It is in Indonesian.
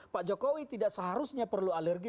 pak jokowi tidak seharusnya perlu alergi